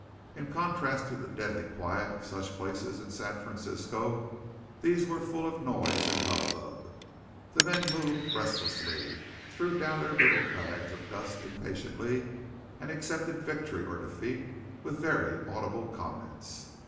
In contrast to the deadly quiet of such places in San Francisco, these were full of noise and hubbub. The men moved restlessly, threw down their little bags of dust impatiently, and accepted victory or defeat with very audible comments.